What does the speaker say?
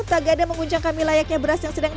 tak ada menguncang kami layaknya beras yang sedang